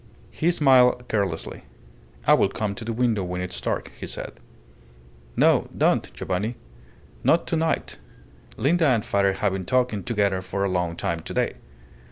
He smiled carelessly. "I will come to the window when it's dark," he said. "No, don't, Giovanni. Not to night. Linda and father have been talking together for a long time today."